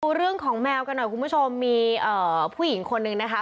ดูเรื่องของแมวกันหน่อยคุณผู้ชมมีเอ่อผู้หญิงคนนึงนะคะ